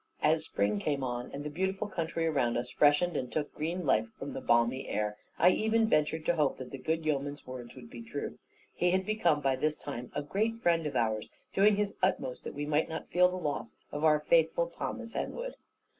As spring came on, and the beautiful country around us freshened and took green life from the balmy air, I even ventured to hope that the good yeoman's words would be true. He had become, by this time, a great friend of ours, doing his utmost that we might not feel the loss of our faithful Thomas Henwood.